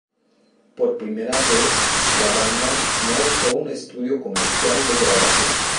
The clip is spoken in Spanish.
Por primera vez, la banda no usó un estudio comercial de grabación.